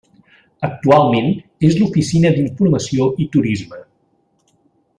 Actualment és l'oficina d'informació i turisme.